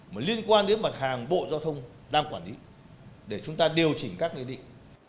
mà liên quan đến mặt hàng bộ giao thông đang quản lý để chúng ta điều chỉnh các nghị định